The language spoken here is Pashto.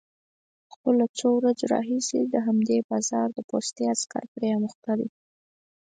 خو له څو ورځو راهيسې د همدې بازار د پوستې عسکر پرې اموخته دي،